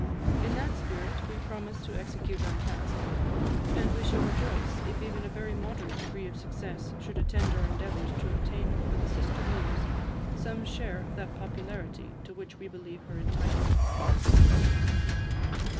In that spirit we promise to execute our task; and we shall rejoice if even a very moderate degree of success should attend our endeavours to obtain for the sister muse some share of that popularity to which we believe her entitled."